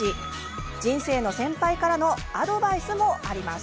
人生の先輩からのアドバイスもあります。